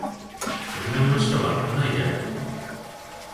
ベトナムの首都はハノイである